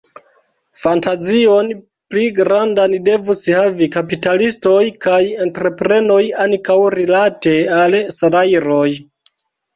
Fantazion pli grandan devus havi kapitalistoj kaj entreprenoj ankaŭ rilate al salajroj.